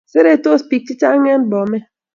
Seretos pik che chang en bomet